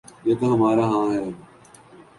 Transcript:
یہ تو ہمارے ہاں ہے۔